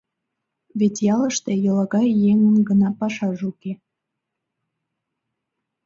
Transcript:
Вет ялыште йолагай еҥын гына пашаже уке.